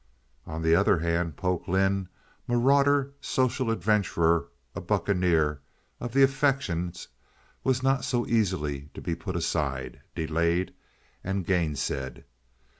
On the other hand, Polk Lynde, marauder, social adventurer, a bucaneer of the affections, was not so easily to be put aside, delayed, and gainsaid.